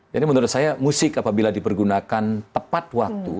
jadi menurut saya musik apabila dipergunakan tepat waktu